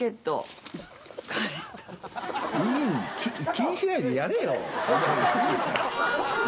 気にしないでやれよ。